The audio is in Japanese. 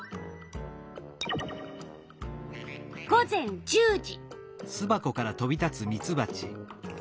午前１０時。